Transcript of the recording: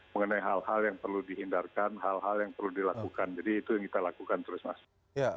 mengenai hal hal yang perlu dihindarkan hal hal yang perlu dilakukan jadi itu yang kita lakukan terus mas